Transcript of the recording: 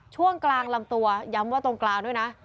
ช่วงกลางลำตัวย้ำว่าตรงกลางด้วยนะ